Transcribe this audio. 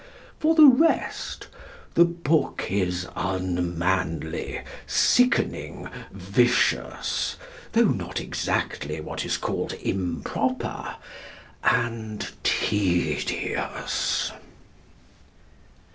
For the rest, the book is unmanly, sickening, vicious (though not exactly what is called "improper"), and tedious.